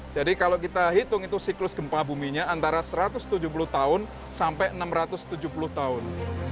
jadi kalau kita hitung itu siklus gempa buminya antara satu ratus tujuh puluh tahun sampai enam ratus tujuh puluh tahun